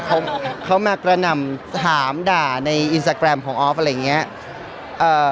เขาเขามากระหน่ำถามด่าในอินสตาแกรมของออฟอะไรอย่างเงี้ยเอ่อ